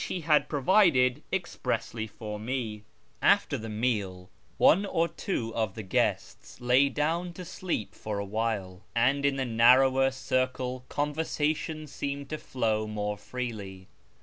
A YEAR AMONGST THE PERSIANS After the meal one or two of the guests lay down to sleep for a while, and in the narrower circle conversation seemed to How more freely.